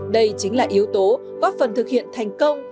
đây chính là yếu tố góp phần thực hiện thành công